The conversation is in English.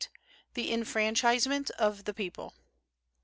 1809 1898. THE ENFRANCHISEMENT OF THE PEOPLE.